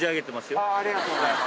ありがとうございます。